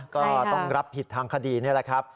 ก็ต้องรับผิดทางคดีนี่แหละครับ